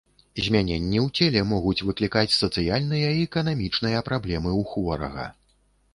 Змяненні ў целе могуць выклікаць сацыяльныя і эканамічныя праблемы ў хворага.